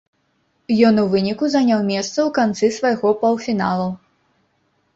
Ён у выніку заняў месца ў канцы свайго паўфіналу.